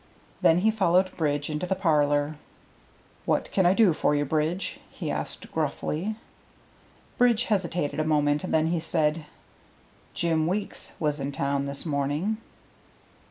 Then he followed Bridge into the parlor. "What can I do for you, Bridge?" he asked gruffly. Bridge hesitated a moment; then he said, "Jim Weeks was in town this morning."